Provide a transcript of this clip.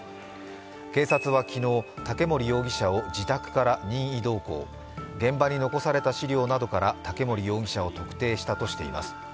警察は昨日、竹森容疑者を自宅から任意同行現場に残された資料などから竹森容疑者を特定したとしています。